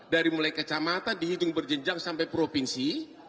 dari mulai kecamata dihitung berjenjang sampai provinsi